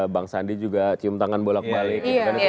bang sandi juga cium tangan bolak balik gitu kan